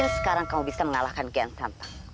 mungkin sekarang kamu bisa mengalahkan gansantang